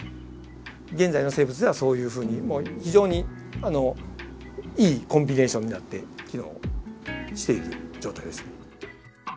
現在の生物ではそういうふうに非常にいいコンビネーションになって機能している状態です。